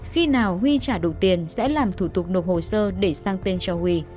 khi nào huy trả đủ tiền sẽ làm thủ tục nộp hồ sơ để sang tên cho huy